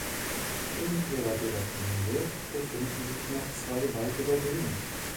In ihrer direkten Nähe befinden sich noch zwei weitere Höhlen.